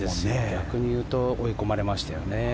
逆に言うと追い込まれましたよね。